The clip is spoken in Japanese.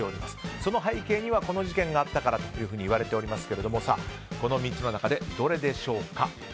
その背景にはこの事件があったからといわれておりますがこの３つの中でどれでしょうか。